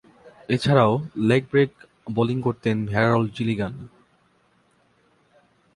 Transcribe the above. এছাড়াও, leg break bowling করতেন Harold Gilligan.